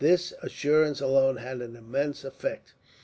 This assurance alone had an immense effect.